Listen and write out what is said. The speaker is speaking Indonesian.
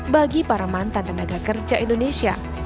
bagi para mantan tenaga kerja indonesia